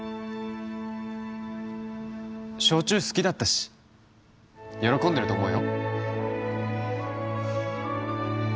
焼酎好きだったし、喜んでると思うよ。